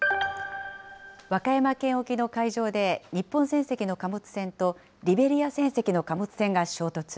和歌山県沖の海上で、日本船籍の貨物船とリベリア船籍の貨物船が衝突。